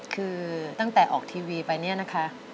คือตั้งแต่ออกทีวีไปเนี่ยนะคะ